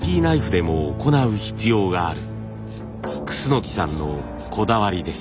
楠さんのこだわりです。